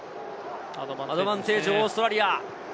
アドバンテージ、オーストラリア。